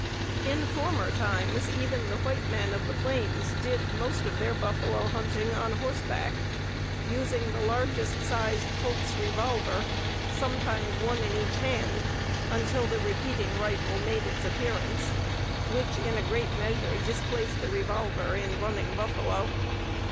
In former times even the white men of the plains did the most of their buffalo hunting on horseback, using the largest sized Colt's revolver, sometimes one in each hand, until the repeating rifle made its appearance, which in a great measure displaced the revolver in running buffalo.